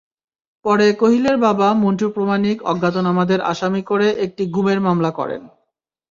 পরে কহিলের বাবা মন্টু প্রামাণিক অজ্ঞাতনামাদের আসামি করে একটি গুমের মামলা করেন।